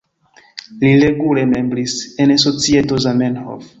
Li regule membris en Societo Zamenhof.